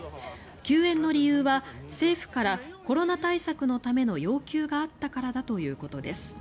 休園の理由は政府からコロナ対策のための要求があったからだということです。